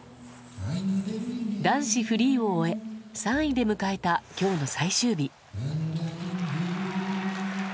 男子フリーを終え、３位で迎えたきょうの最終日。